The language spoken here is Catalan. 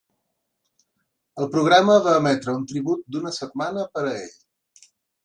El programa va emetre un tribut d'una setmana per a ell.